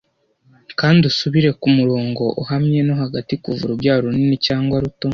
Kandi usubire kumurongo uhamye no hagati kuva urubyaro runini cyangwa ruto.